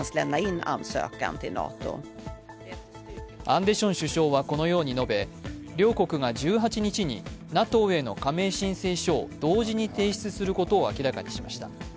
アンデション首相はこのように述べ両国が１８日に、ＮＡＴＯへの加盟申請書を同時に提出することを明らかにしました。